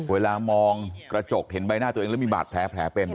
เวลามองกระจกเห็นใบหน้าตัวเองแล้วมีบาดแผลเป็น